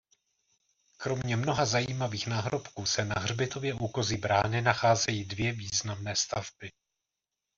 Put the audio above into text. Kromě mnoha zajímavých náhrobků se na Hřbitově u Kozí brány nacházejí dvě významné stavby.